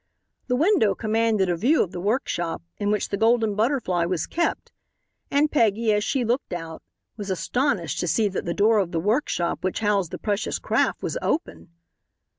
The window commanded a view of the workshop, in which the Golden Butterfly was kept, and Peggy, as she looked out, was astonished to see that the door of the work shop which housed the precious craft was open.